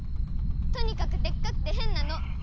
とにかくでっかくてへんなの！